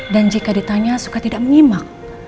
dan jika ditanya suka tidak menyimak